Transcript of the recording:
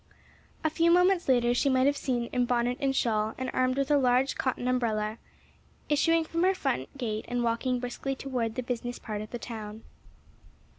A few moments later she might have been seen in bonnet and shawl and armed with a large cotton umbrella, issuing from her front gate and walking briskly toward the business part of the town.